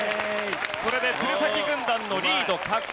これで鶴崎軍団のリード確定。